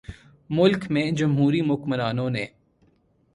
ملک میں جمہوری حکمرانوں نے